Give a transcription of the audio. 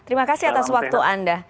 terima kasih atas waktu anda